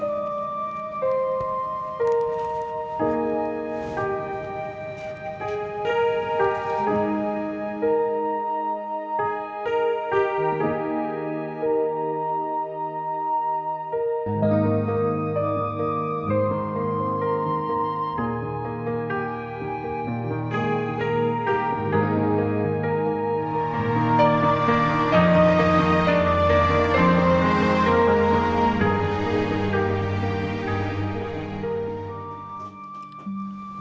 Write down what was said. selamat malam mak